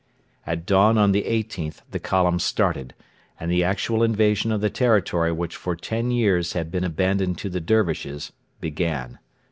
At dawn on the 18th the column started, and the actual invasion of the territory which for ten years had been abandoned to the Dervishes began.